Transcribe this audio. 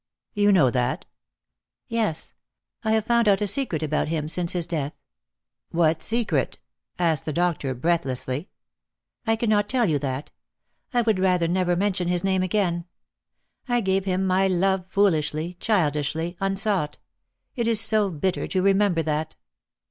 "You know that?" " Yes. I have found out a secret about him, since his death." " What secret ?" asked the doctor breathlessly. " I cannot tell you that. I would rather never mention his name again. I gave him my love foolishly, childishly, unsought. It is so bitter to remember that."